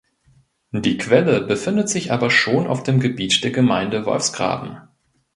Die Quelle befindet sich aber schon auf dem Gebiet der Gemeinde Wolfsgraben.